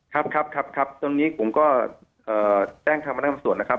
ครับครับครับครับตอนนี้ผมก็แจ้งทางพสมนะครับ